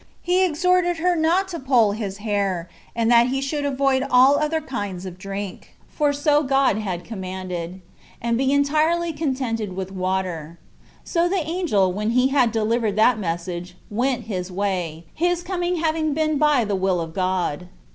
He exhorted her also not to poll his hair, and that he should avoid all other kinds of drink, [for so had God commanded,] and be entirely contented with water. So the angel, when he had delivered that message, went his way, his coming having been by the will of God.